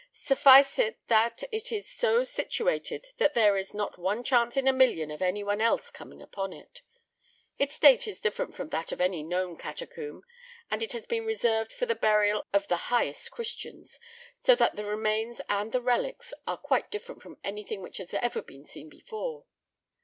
Suffice it that it is so situated that there is not one chance in a million of anyone else coming upon it. Its date is different from that of any known catacomb, and it has been reserved for the burial of the highest Christians, so that the remains and the relics are quite different from anything which has ever been seen before.